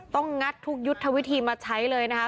งัดทุกยุทธวิธีมาใช้เลยนะคะ